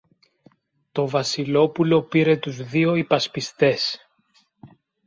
Το Βασιλόπουλο πήρε τους δυο υπασπιστές